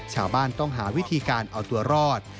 ชาวบ้านต้องหาวิธีการเอาตัวรอด